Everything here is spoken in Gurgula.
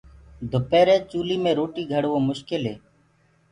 دُپيري چولِي مي روٽي گھڙوو مشڪل هي۔